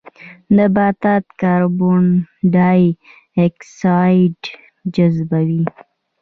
نباتات کاربن ډای اکسایډ جذبوي